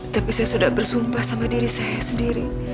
tapi saya sudah bersumpah sama diri